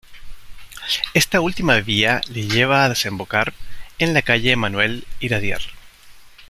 Esta última vía le lleva a desembocar en la Calle Manuel Iradier.